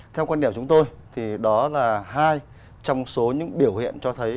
theo quan điểm chúng tôi thì đó là hai trong số những biểu hiện cho thấy